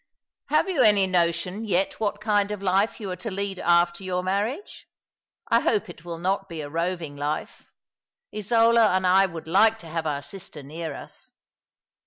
'■' Have you any notion yet what kind of life you are to lead after your marriage ? I hope it will not be a roving life. Isola and I would like to have our sister near us."